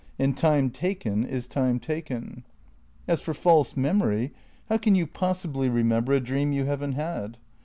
And time taken is time taken. As for false memory, how can you possibly remem ber a dream you haven't had!